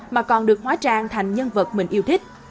mà còn được hóa trang thành nhân vật mình yêu thích